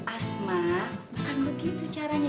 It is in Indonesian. asma bukan begitu caranya